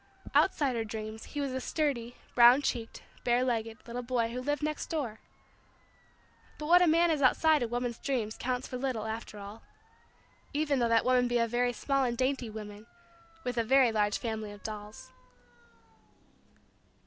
Outside her dreams he was a sturdy, brown cheeked, bare legged, little boy who lived next door. But what a man is outside a woman's dreams counts for little after all even though that woman be a very small and dainty little woman with a very large family of dolls.